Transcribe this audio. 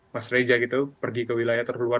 mas reza gitu pergi ke wilayah terluar